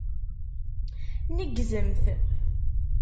Neggzemt.